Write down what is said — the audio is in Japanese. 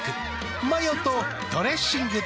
マヨとドレッシングで。